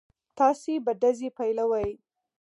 تاسې به ډزې پيلوئ.